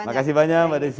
terima kasih banyak mbak desy